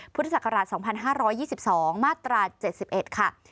พศ๒๕๒๒มาตรา๗๑ค่ะ